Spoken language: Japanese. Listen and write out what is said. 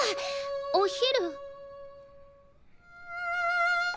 お昼。